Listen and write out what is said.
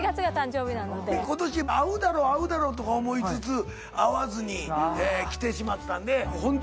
今年会うだろう会うだろうとか思いつつ会わずに来てしまったんで。